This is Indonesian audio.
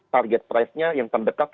target price nya yang terdekat